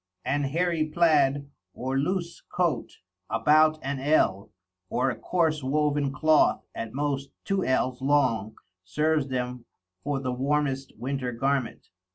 An hairy Plad, or loose Coat, about an Ell, or a coarse woven Cloth at most Two Ells long serves them for the warmest Winter Garment.